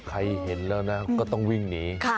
เห็นแล้วนะก็ต้องวิ่งหนี